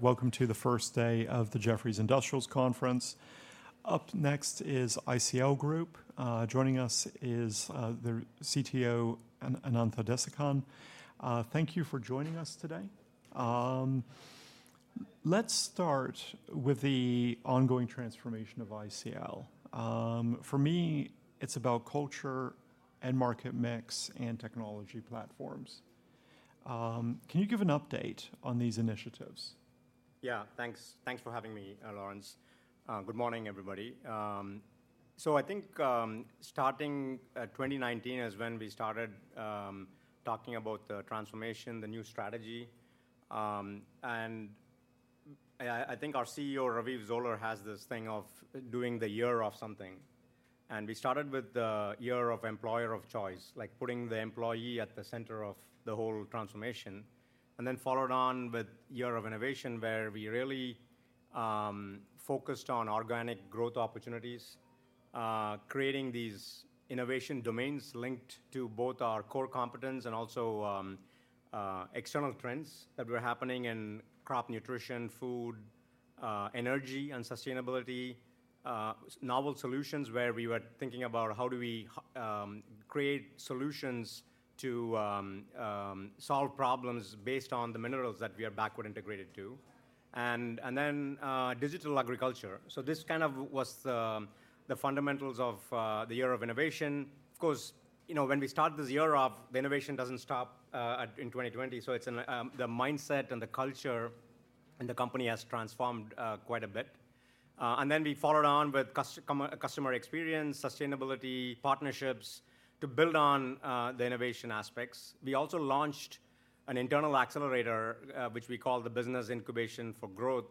...Welcome to the first day of the Jefferies Industrials Conference. Joining us is their CTO, Anantha Desikan. Thank you for joining us today. Let's start with the ongoing transformation of ICL. For me, it's about culture and market mix and technology platforms. Can you give an update on these initiatives? Yeah, thanks. Thanks for having me, Laurence. Good morning, everybody. So I think starting twenty nineteen is when we started talking about the transformation, the new strategy. And I think our CEO, Raviv Zoller, has this thing of doing the year of something, and we started with the Year of Employer of Choice, like putting the employee at the center of the whole transformation. And then followed on with Year of Innovation, where we really focused on organic growth opportunities, creating these innovation domains linked to both our core competence and also external trends that were happening in crop nutrition, food, energy and sustainability. Novel solutions, where we were thinking about how do we create solutions to solve problems based on the minerals that we are backward integrated to, and then digital agriculture. So this kind of was the fundamentals of the Year of Innovation. Of course, you know, when we start this year off, the innovation doesn't stop at in 2020. So it's in the mindset and the culture, and the company has transformed quite a bit. And then we followed on with customer experience, sustainability, partnerships to build on the innovation aspects. We also launched an internal accelerator, which we call the Business Incubation for Growth,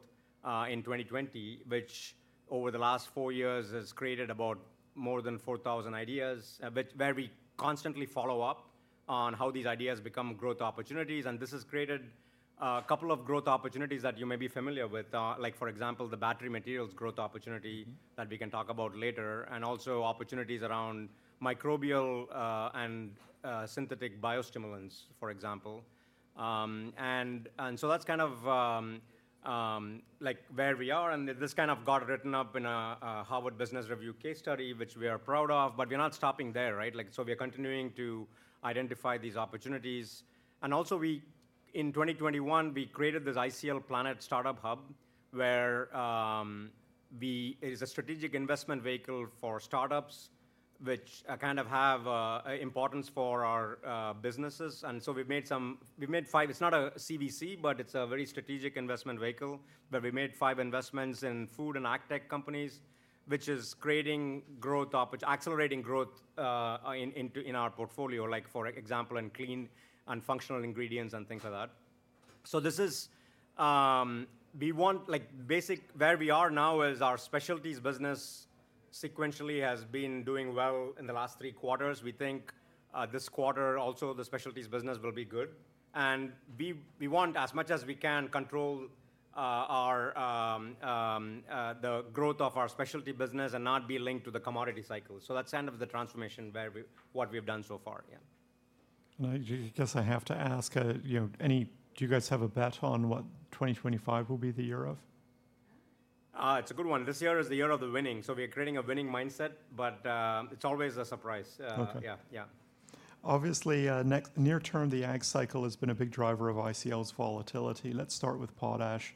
in 2020, which over the last four years has created about more than four thousand ideas. But where we constantly follow up on how these ideas become growth opportunities, and this has created a couple of growth opportunities that you may be familiar with. Like for example, the battery materials growth opportunity that we can talk about later, and also opportunities around microbial and synthetic biostimulants, for example. And so that's kind of like where we are, and this kind of got written up in a Harvard Business Review case study, which we are proud of, but we're not stopping there, right? Like, so we are continuing to identify these opportunities. And also, in 2021, we created this ICL Planet Startup Hub, where it is a strategic investment vehicle for startups, which kind of have importance for our businesses. And so we've made five. It's not a CVC, but it's a very strategic investment vehicle. But we made five investments in food and ag tech companies, which is creating growth accelerating growth in our portfolio, like for example, in clean and functional ingredients and things like that. So this is. We want, like. Where we are now is our specialties business sequentially has been doing well in the last three quarters. We think this quarter also, the specialties business will be good. And we want, as much as we can, control the growth of our specialty business and not be linked to the commodity cycle. So that's kind of the transformation, what we've done so far. Yeah. I guess I have to ask, you know, any, do you guys have a bet on what 2025 will be the year of? It's a good one. This year is the year of the winning, so we are creating a winning mindset, but it's always a surprise. Okay. Yeah, yeah. Obviously, next, near term, the ag cycle has been a big driver of ICL's volatility. Let's start with potash.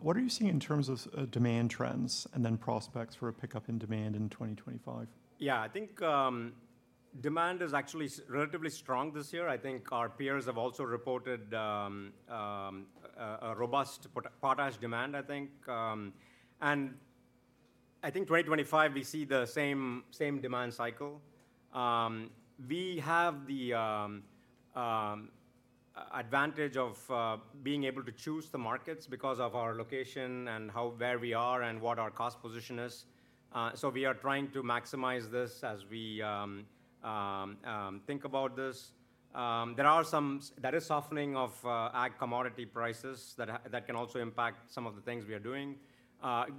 What are you seeing in terms of demand trends and then prospects for a pickup in demand in 2025? Yeah, I think demand is actually relatively strong this year. I think our peers have also reported a robust potash demand, I think. I think 2025, we see the same demand cycle. We have the advantage of being able to choose the markets because of our location and where we are and what our cost position is. So we are trying to maximize this as we think about this. There is softening of ag commodity prices that can also impact some of the things we are doing.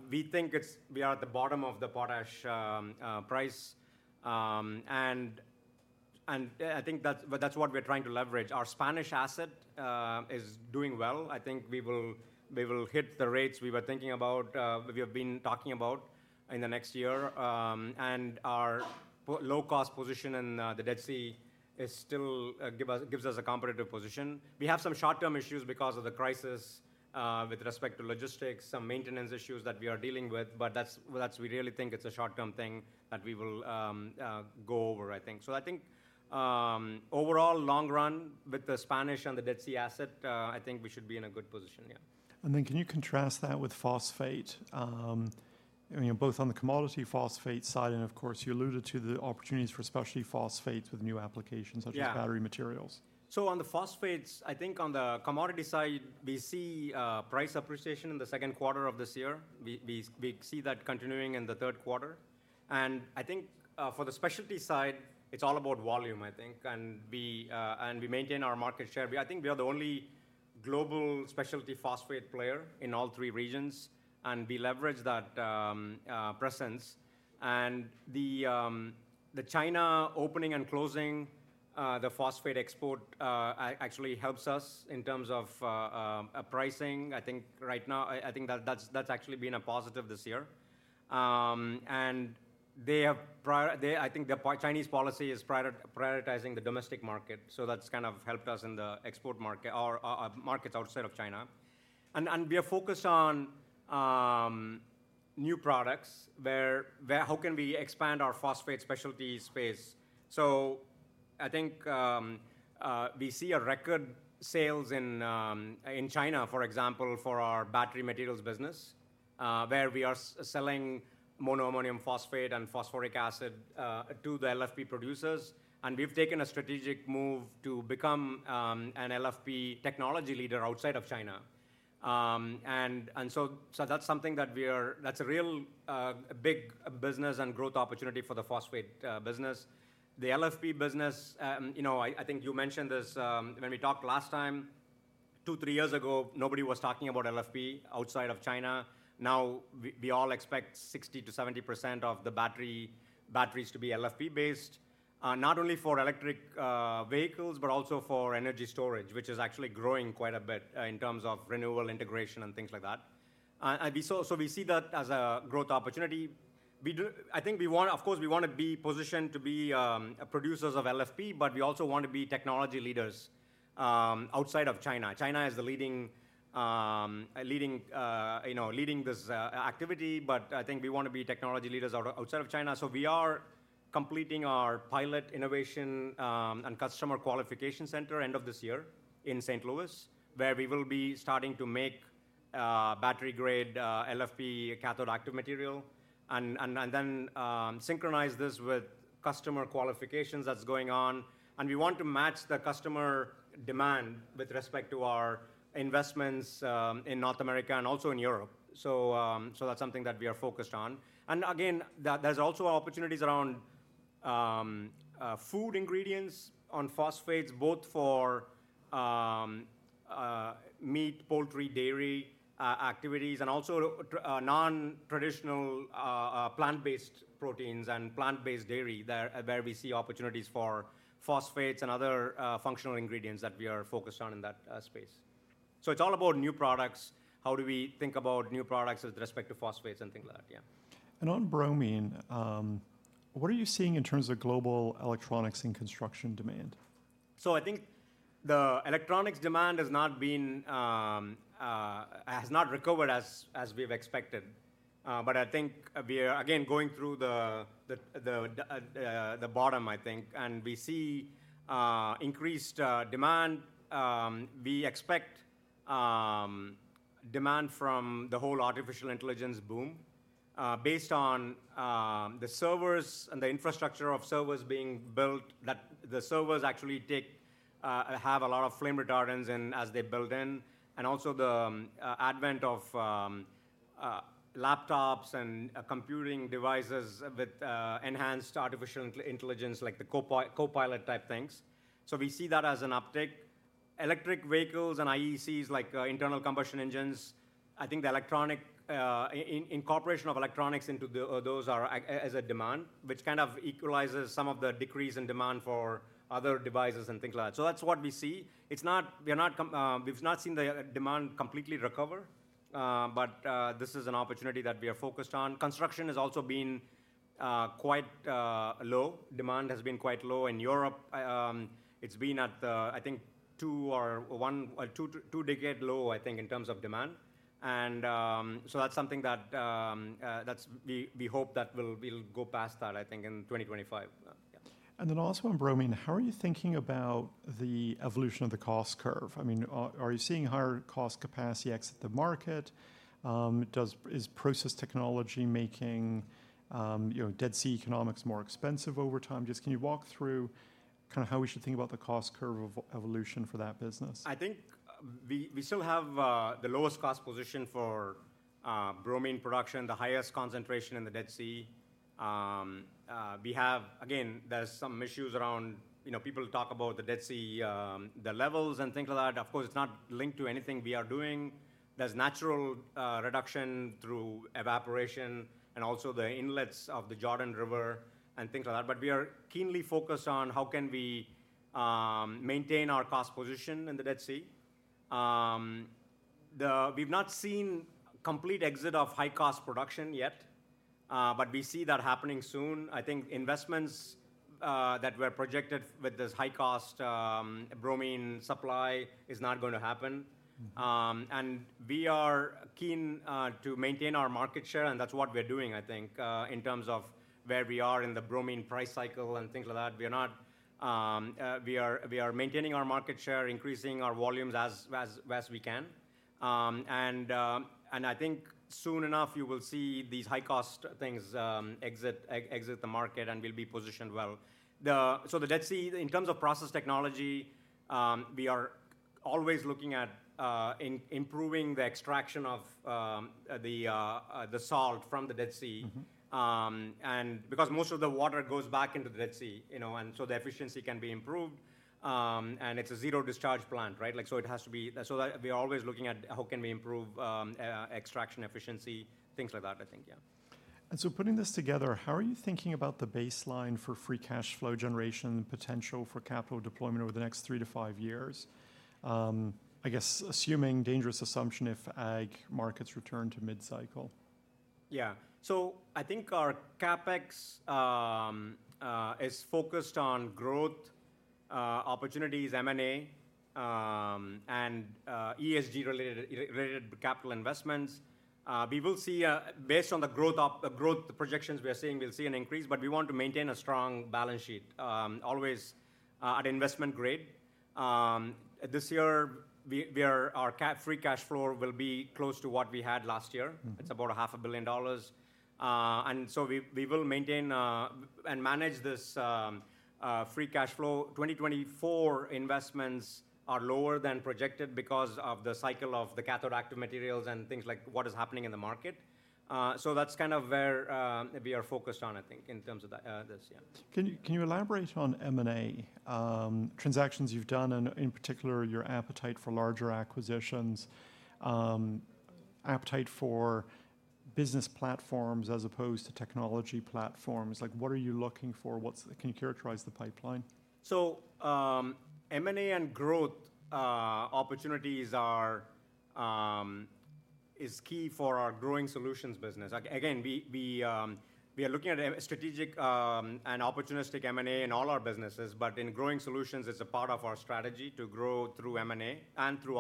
We think we are at the bottom of the potash price, and I think that's what we're trying to leverage. Our Spanish asset is doing well. I think we will hit the rates we were thinking about, we have been talking about in the next year. And our low cost position in the Dead Sea still gives us a competitive position. We have some short-term issues because of the crisis with respect to logistics, some maintenance issues that we are dealing with, but that's. We really think it's a short-term thing that we will go over, I think. I think overall, long run, with the Spanish and the Dead Sea asset, I think we should be in a good position. Yeah. And then can you contrast that with phosphate? You know, both on the commodity phosphate side, and of course, you alluded to the opportunities for specialty phosphates with new applications- Yeah... such as battery materials. So on the phosphates, I think on the commodity side, we see price appreciation in the second quarter of this year. We see that continuing in the third quarter. And I think, for the specialty side, it's all about volume, I think. And we maintain our market share. I think we are the only global specialty phosphate player in all three regions, and we leverage that presence. And the phosphate export actually helps us in terms of pricing. I think right now, I think that's actually been a positive this year. I think the Chinese policy is prioritizing the domestic market, so that's kind of helped us in the export market or markets outside of China. And we are focused on new products, where how can we expand our phosphate specialty space? So I think we see record sales in China, for example, for our battery materials business, where we are selling monoammonium phosphate and phosphoric acid to the LFP producers. And we've taken a strategic move to become an LFP technology leader outside of China. And so that's something that's a real big business and growth opportunity for the phosphate business. The LFP business, you know, I think you mentioned this when we talked last time. Two, three years ago, nobody was talking about LFP outside of China. Now, we all expect 60% to 70% of the batteries to be LFP based, not only for electric vehicles, but also for energy storage, which is actually growing quite a bit, in terms of renewable integration and things like that. And we see that as a growth opportunity. Of course, we want to be positioned to be producers of LFP, but we also want to be technology leaders outside of China. China is the leading, you know, leading this activity, but I think we want to be technology leaders outside of China. So we are completing our pilot innovation and customer qualification center end of this year in St. Louis. Louis, where we will be starting to make battery-grade LFP cathode active material and then synchronize this with customer qualifications that's going on. And we want to match the customer demand with respect to our investments in North America and also in Europe. So that's something that we are focused on. And again, there's also opportunities around food ingredients on phosphates, both for meat, poultry, dairy activities, and also non-traditional plant-based proteins and plant-based dairy, there, where we see opportunities for phosphates and other functional ingredients that we are focused on in that space. So it's all about new products. How do we think about new products with respect to phosphates and things like that? Yeah. On bromine, what are you seeing in terms of global electronics and construction demand? I think the electronics demand has not recovered as we've expected, but I think we are again going through the bottom, I think, and we see increased demand. We expect demand from the whole artificial intelligence boom based on the servers and the infrastructure of servers being built, that the servers actually have a lot of flame retardants in as they build in, and also the advent of laptops and computing devices with enhanced artificial intelligence, like the Copilot type things. We see that as an uptick. Electric vehicles and ICEs, like, internal combustion engines, I think the incorporation of electronics into those areas of demand, which kind of equalizes some of the decrease in demand for other devices and things like that. So that's what we see. It's not. We are not. We've not seen the demand completely recover, but this is an opportunity that we are focused on. Construction has also been quite low. Demand has been quite low in Europe. It's been at the two-decade low, I think, in terms of demand. So that's something that we hope that we'll go past that, I think, in 2025. Yeah. And then also on bromine, how are you thinking about the evolution of the cost curve? I mean, are you seeing higher cost capacity exit the market? Is process technology making, you know, Dead Sea economics more expensive over time? Just can you walk through kind of how we should think about the cost curve evolution for that business? I think we still have the lowest cost position for bromine production, the highest concentration in the Dead Sea. Again, there's some issues around, you know, people talk about the Dead Sea, the levels and things like that. Of course, it's not linked to anything we are doing. There's natural reduction through evaporation and also the inlets of the Jordan River and things like that. But we are keenly focused on how can we maintain our cost position in the Dead Sea. We've not seen complete exit of high-cost production yet, but we see that happening soon. I think investments that were projected with this high cost bromine supply is not going to happen. Mm. And we are keen to maintain our market share, and that's what we're doing, I think, in terms of where we are in the bromine price cycle and things like that. We are not, we are maintaining our market share, increasing our volumes as best we can. I think soon enough, you will see these high-cost things exit the market, and we'll be positioned well. So the Dead Sea, in terms of process technology, we are always looking at improving the extraction of the salt from the Dead Sea. Mm-hmm. Because most of the water goes back into the Dead Sea, you know, and so the efficiency can be improved, and it's a zero discharge plant, right? Like, so it has to be. So that we are always looking at how can we improve extraction efficiency, things like that, I think. Yeah.... And so putting this together, how are you thinking about the baseline for free cash flow generation and potential for capital deployment over the next three to five years? I guess, assuming a dangerous assumption, if ag markets return to mid-cycle. Yeah. So I think our CapEx is focused on growth opportunities, M&A, and ESG-related capital investments. We will see, based on the growth projections we are seeing, we'll see an increase, but we want to maintain a strong balance sheet, always, at investment grade. This year, our free cash flow will be close to what we had last year. Mm-hmm. It's $500 million. And so we will maintain and manage this free cash flow. 2024 investments are lower than projected because of the cycle of the cathode active materials and things like what is happening in the market. So that's kind of where we are focused on, I think, in terms of the this, yeah. Can you elaborate on M&A transactions you've done, and in particular, your appetite for larger acquisitions, appetite for business platforms as opposed to technology platforms? Like, what are you looking for? Can you characterize the pipeline? M&A and growth opportunities are key for our Growing Solutions business. Again, we are looking at a strategic and opportunistic M&A in all our businesses, but in Growing Solutions, it's a part of our strategy to grow through M&A and through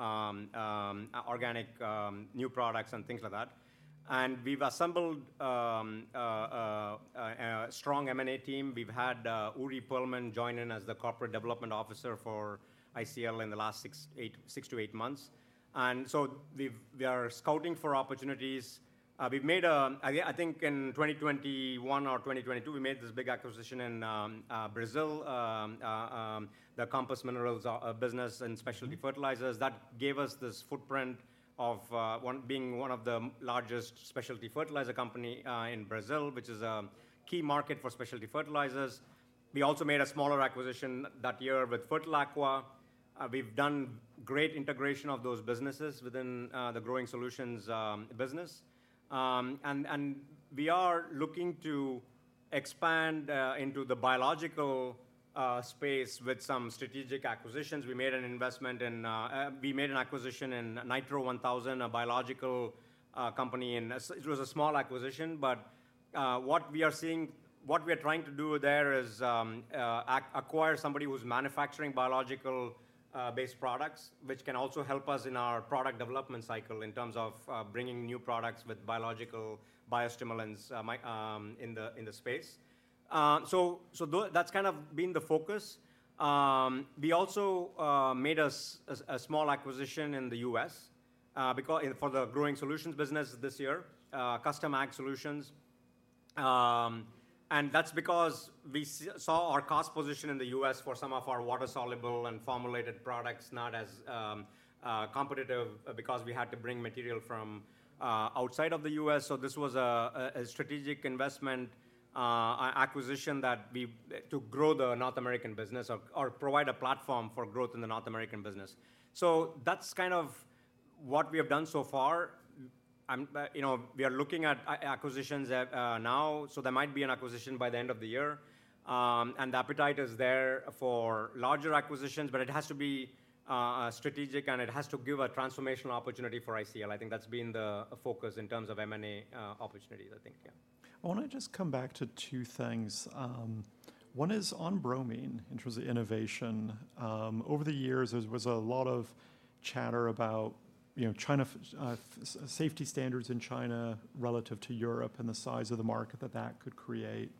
organic new products and things like that. And we've assembled a strong M&A team. We've had Uri Perlman join in as the Corporate Development Officer for ICL in the last six to eight months. And so we are scouting for opportunities. We've made, I think in 2021 or 2022, we made this big acquisition in Brazil, the Compass Minerals business and specialty fertilizers. That gave us this footprint of being one of the largest specialty fertilizer company in Brazil, which is a key market for specialty fertilizers. We also made a smaller acquisition that year with Fertilaqua. We've done great integration of those businesses within the Growing Solutions business. And we are looking to expand into the biological space with some strategic acquisitions. We made an acquisition in Nitro 1000, a biological company, and it was a small acquisition, but what we are seeing, what we are trying to do there is acquire somebody who's manufacturing biological based products, which can also help us in our product development cycle in terms of bringing new products with biological biostimulants in the space. That's kind of been the focus. We also made a small acquisition in the U.S. because for the Growing Solutions business this year, Custom Ag Solutions. And that's because we saw our cost position in the U.S. for some of our water-soluble and formulated products not as competitive, because we had to bring material from outside of the U.S., so this was a strategic investment, a acquisition that we to grow the North American business or provide a platform for growth in the North American business. So that's kind of what we have done so far. You know, we are looking at acquisitions now, so there might be an acquisition by the end of the year. And the appetite is there for larger acquisitions, but it has to be strategic, and it has to give a transformational opportunity for ICL. I think that's been the focus in terms of M&A opportunities, I think. Yeah. I wanna just come back to two things. One is on bromine in terms of innovation. Over the years, there was a lot of chatter about, you know, China safety standards in China relative to Europe and the size of the market that that could create.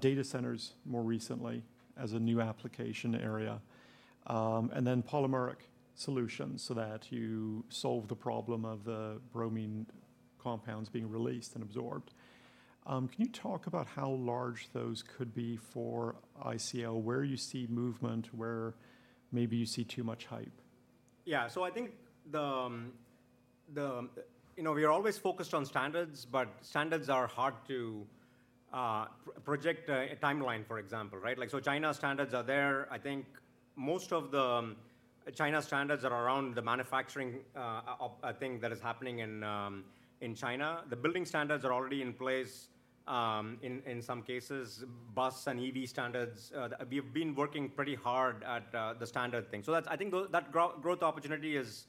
Data centers, more recently, as a new application area, and then polymeric solutions, so that you solve the problem of the bromine compounds being released and absorbed. Can you talk about how large those could be for ICL, where you see movement, where maybe you see too much hype? Yeah. So I think the you know, we are always focused on standards, but standards are hard to project a timeline, for example, right? Like, so China standards are there. I think most of the China standards are around the manufacturing of thing that is happening in China. The building standards are already in place, in some cases, bus and EV standards. We've been working pretty hard at the standard thing. So that's. I think that growth opportunity is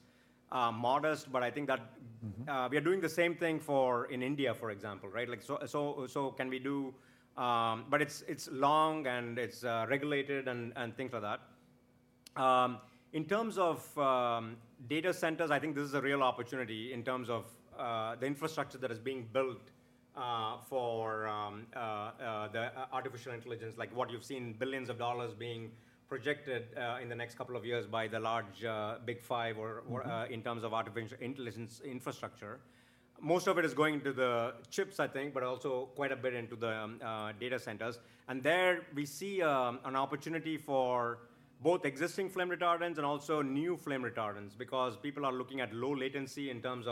modest, but I think that- Mm-hmm.... we are doing the same thing for in India, for example, right? Like, so can we do... but it's long, and it's regulated and things like that. In terms of data centers, I think this is a real opportunity in terms of the infrastructure that is being built for the artificial intelligence, like what you've seen, billions of dollars being projected in the next couple of years by the large Big Five or, or- Mm-hmm... in terms of artificial intelligence infrastructure. Most of it is going into the chips, I think, but also quite a bit into the data centers, and there we see an opportunity for both existing flame retardants and also new flame retardants, because people are looking at low latency in terms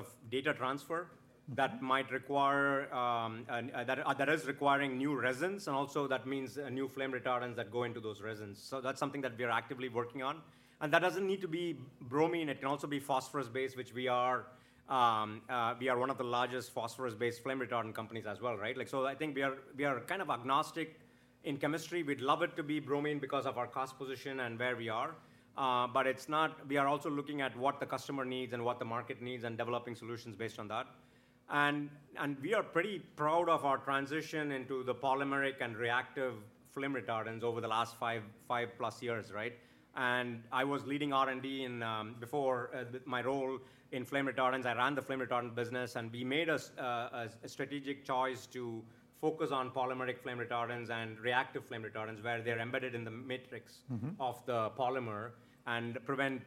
of data transfer that might require that is requiring new resins, and also that means new flame retardants that go into those resins, so that's something that we are actively working on, and that doesn't need to be bromine, it can also be phosphorus-based, which we are one of the largest phosphorus-based flame retardant companies as well, right? Like, so I think we are kind of agnostic in chemistry. We'd love it to be bromine because of our cost position and where we are, but it's not. We are also looking at what the customer needs and what the market needs, and developing solutions based on that. And we are pretty proud of our transition into the polymeric and reactive flame retardants over the last five plus years, right? And I was leading R&D in before my role in flame retardants. I ran the flame retardant business, and we made a strategic choice to focus on polymeric flame retardants and reactive flame retardants, where they're embedded in the matrix. Mm-hmm. Of the polymer and prevent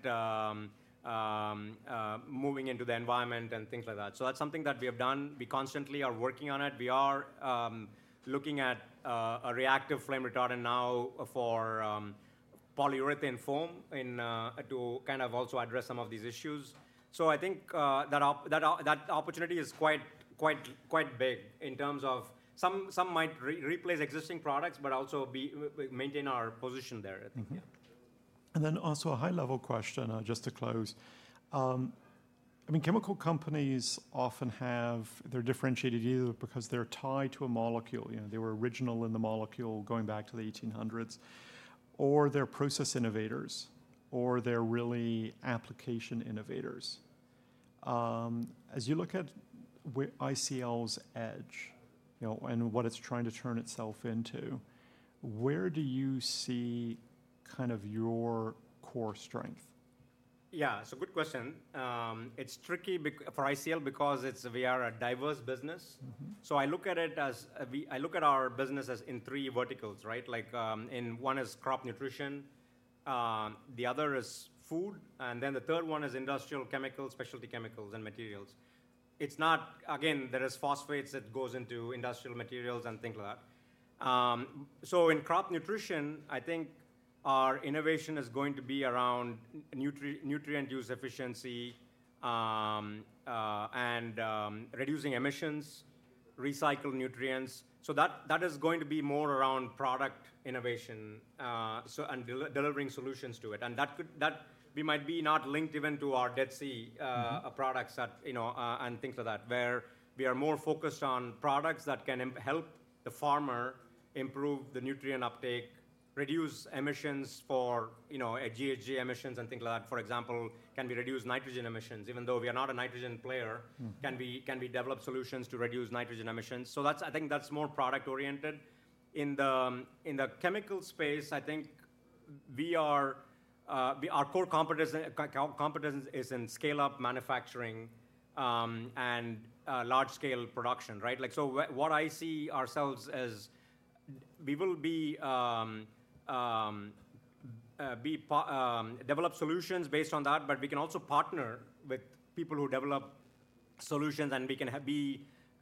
moving into the environment and things like that. So that's something that we have done. We constantly are working on it. We are looking at a reactive flame retardant now for polyurethane foam, and to kind of also address some of these issues. So I think that opportunity is quite big in terms of some might replace existing products, but also maintain our position there. Mm-hmm. Yeah. And then also a high-level question, just to close. I mean, chemical companies often have. They're differentiated either because they're tied to a molecule, you know, they were original in the molecule going back to the 1800s, or they're process innovators, or they're really application innovators. As you look at ICL's edge, you know, and what it's trying to turn itself into, where do you see kind of your core strength? Yeah, it's a good question. It's tricky for ICL because it's, we are a diverse business. Mm-hmm. So I look at our business as in three verticals, right? Like, in one is crop nutrition, the other is food, and then the third one is industrial chemicals, specialty chemicals, and materials. Again, there is phosphates that goes into industrial materials and things like that. So in crop nutrition, I think our innovation is going to be around nutrient use efficiency, and reducing emissions, recycled nutrients. That is going to be more around product innovation, and delivering solutions to it. And that could, we might be not linked even to our Dead Sea. Mm-hmm... products that, you know, and things like that, where we are more focused on products that can help the farmer improve the nutrient uptake, reduce emissions for, you know, GHG emissions and things like that. For example, can we reduce nitrogen emissions? Even though we are not a nitrogen player- Mm... can we develop solutions to reduce nitrogen emissions? So that's, I think that's more product oriented. In the chemical space, I think our core competence is in scale-up manufacturing, and large-scale production, right? Like, so what I see ourselves as we will be develop solutions based on that, but we can also partner with people who develop solutions, and we can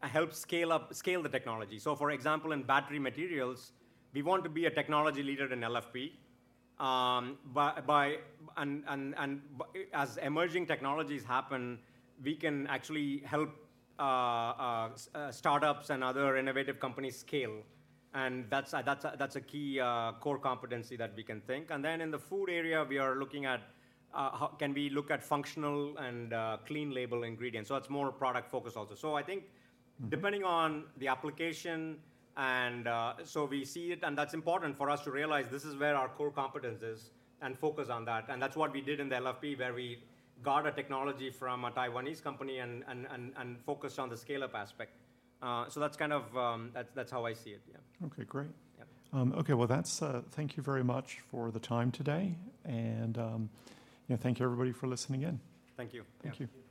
help scale up, scale the technology. So for example, in battery materials, we want to be a technology leader in LFP, by... And by as emerging technologies happen, we can actually help startups and other innovative companies scale. And that's a key core competency that we can think. And then in the food area, we are looking at how can we look at functional and clean label ingredients? So that's more product focused also. So I think- Mm... depending on the application, and so we see it, and that's important for us to realize this is where our core competence is and focus on that. And that's what we did in the LFP, where we got a technology from a Taiwanese company and focused on the scale-up aspect. So that's kind of how I see it. Yeah. Okay, great. Yeah. Okay. Well, that's... Thank you very much for the time today, and, you know, thank you, everybody, for listening in. Thank you. Thank you.